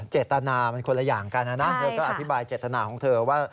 เจตนามันคนละอย่างกันนะนะเธอก็อธิบายเจตนาของเธอว่า